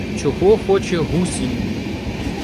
Чого хоче гусінь?